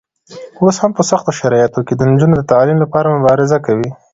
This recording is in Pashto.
اوس هم په سختو شرایطو کې د نجونو د تعلیم لپاره مبارزه کوي.